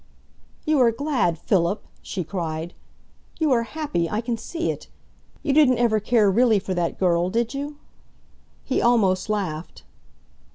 "You are glad, Philip!" she cried. "You are happy I can see it! You didn't ever care really for that girl, did you?" He almost laughed.